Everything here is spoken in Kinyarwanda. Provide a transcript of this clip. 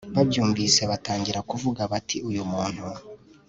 babyumvise batangira kuvuga bati uyu muntu